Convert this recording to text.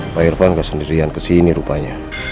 pak irfan gak sendirian kesini rupanya